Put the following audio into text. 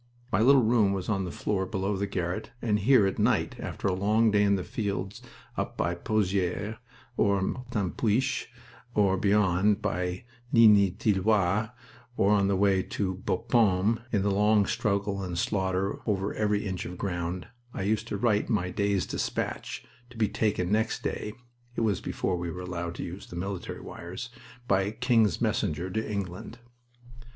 My little room was on the floor below the garret, and here at night, after a long day in the fields up by Pozieres or Martinpuich or beyond, by Ligny Tilloy, on the way to Bapaume, in the long struggle and slaughter over every inch of ground, I used to write my day's despatch, to be taken next day (it was before we were allowed to use the military wires) by King's Messenger to England.